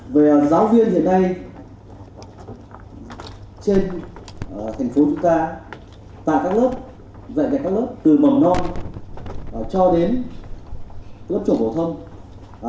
về giáo viên hiện nay trên thành phố chúng ta và các lớp dạy dạy các lớp từ mầm non cho đến lớp trưởng phổ thông